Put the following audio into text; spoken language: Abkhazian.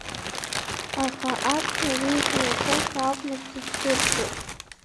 Аха Аҭиа уи афилософиа акәмызт дзызхәыцуаз.